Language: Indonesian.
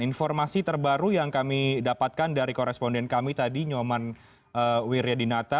informasi terbaru yang kami dapatkan dari koresponden kami tadi nyoman wiryadinata